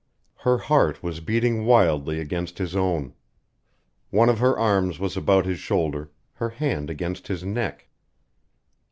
Her heart was beating wildly against his own. One of her arms was about his shoulder, her hand against his neck.